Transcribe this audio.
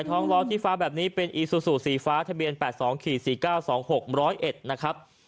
ท้องล้อชี้ฟ้าแบบนี้เป็นอีซูซูสีฟ้าทะเบียน๘๒๔๙๒๖๐๑นะครับ